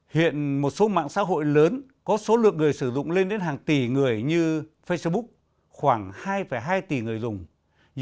hiện một số mạng xã hội lớn có số lượng người sử dụng lên đến hàng tỷ người như facebook khoảng hai hai tỷ người dùng